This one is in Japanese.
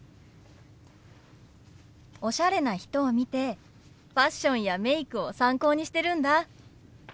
おしゃれな人を見てファッションやメイクを参考にしてるんだ。